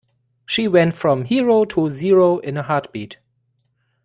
She went from hero to zero in a heartbeat.